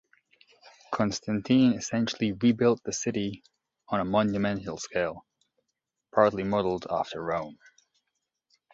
Constantine essentially rebuilt the city on a monumental scale, partly modelled after Rome.